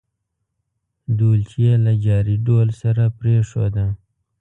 ډولچي یې له جاري ډول سره پرېښوده.